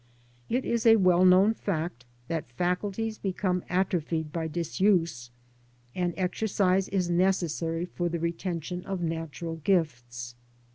It is a well known fact that faculties become atrophied by disuse, and exercise is necessary for the retention of natural gifts.